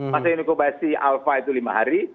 masa inkubasi alpha itu lima hari